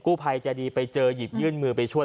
ผู้ภัยใจดีไปเจอหยิบยื่นมือไปช่วย